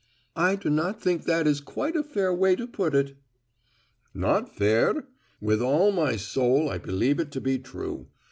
"I do not think that is quite a fair way to put it." "Not fair? With all my soul I believe it to be true.